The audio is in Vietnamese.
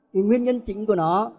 thì nguyên nhân chính của nó